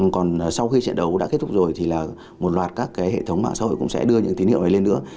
còn sau khi trận đấu đã kết thúc rồi thì là một loạt các hệ thống mạng xã hội cũng sẽ đưa những tín hiệu này lên nữa